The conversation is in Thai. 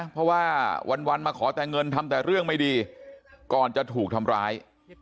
เพราะว่าวันมาขอแต่เงินทำแต่เรื่องไม่ดีก่อนจะถูกทำร้าย